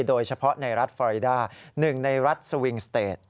โดยเฉพาะในรัฐเฟอร์รีด้าหนึ่งในรัฐสวิงสเตต